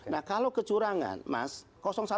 nah kalau kecurangan mas